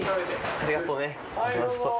ありがとね。